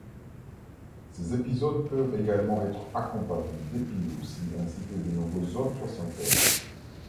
Ces épisodes peuvent également être accompagnés d'épilepsie ainsi que de nombreux autres symptômes.